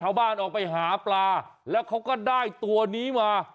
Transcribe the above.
ออกไปหาปลาแล้วเขาก็ได้ตัวนี้มา